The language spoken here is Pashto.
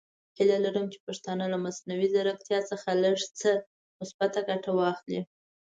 هیله لرم چې پښتانه له مصنوعي زیرکتیا څخه لږ څه مثبته ګټه واخلي.